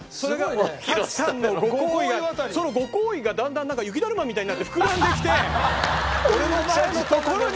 そのご厚意がだんだんなんか雪だるまみたいになって膨らんできて俺の前のところに。